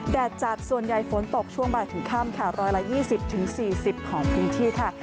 แดดจัดส่วนใหญ่ฝนตกช่วงบ่ายถึงค่ำค่ะ๑๒๐๔๐ของพื้นที่ค่ะ